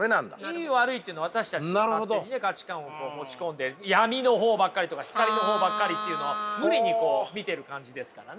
いい悪いっていうのは私たちが勝手にね価値観を持ち込んで闇の方ばっかりとか光の方ばっかりっていうのを無理にこう見てる感じですからね。